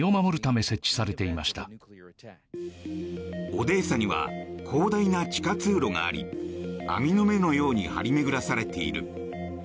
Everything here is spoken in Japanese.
オデーサには広大な地下通路があり網の目のように張り巡らされている。